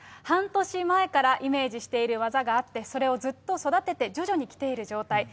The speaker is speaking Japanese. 半年前からイメージしている技があって、それをずっと育てて、徐々にきている状態。